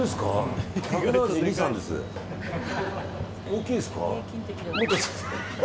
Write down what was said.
大きいですか？